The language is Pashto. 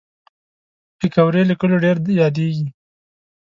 پکورې له کلیو ډېر یادېږي